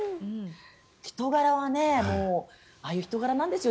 人柄はああいう人柄なんですよ。